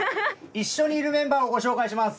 一緒にいるメンバーをご紹介します。